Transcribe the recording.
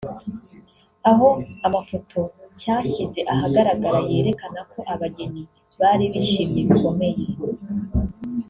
aho amafoto cyashyize ahagaragara yerekana ko abageni bari bishimye bikomeye